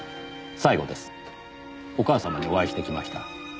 お母様にお会いしてきました。